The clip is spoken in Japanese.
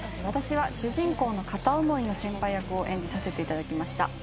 私は主人公の片思いの先輩役を演じさせていただきました。